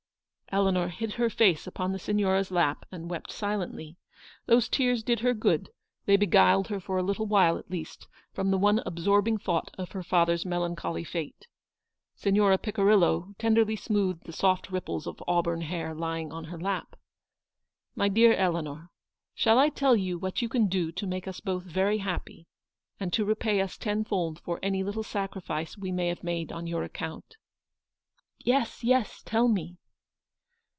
" Eleanor hid her face upon the Signora's lap, and wept silently. Those tears did her good; they beguiled her for a little while, at least, from the one absorbing thought of her father's melancholy fate. Signora Picirillo tenderly smoothed the soft ripples of auburn hair lying on her lap. " My dear Eleanor, shall I tell you what you can do to make us both very happy, and to repay us tenfold for any little sacrifice we may have made on your account ?"" Yes, yes ; tell me."